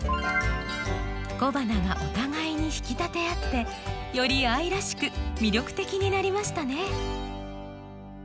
小花がお互いに引き立て合ってより愛らしく魅力的になりましたね。